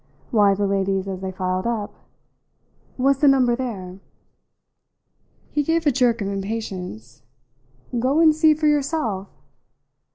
"Why, the ladies as they filed up. Was the number there?" He gave a jerk of impatience. "Go and see for yourself!"